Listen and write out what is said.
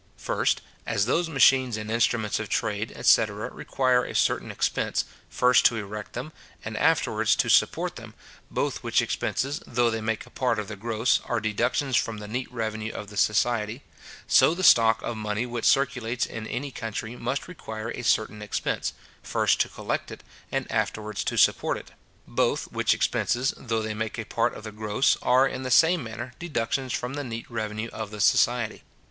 First, as those machines and instruments of trade, etc. require a certain expense, first to erect them, and afterwards to support them, both which expenses, though they make a part of the gross, are deductions from the neat revenue of the society; so the stock of money which circulates in any country must require a certain expense, first to collect it, and afterwards to support it; both which expenses, though they make a part of the gross, are, in the same manner, deductions from the neat revenue of the society.